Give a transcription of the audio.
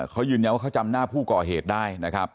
เขายืนยันว่าเขาจำหน้าผู้ก่อเหตุได้นะครับ